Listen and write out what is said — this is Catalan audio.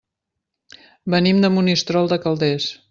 Venim de Monistrol de Calders.